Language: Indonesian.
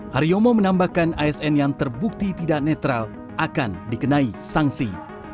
haryomo menambahkan asn yang terbukti tidak netral akan dikenai sanksi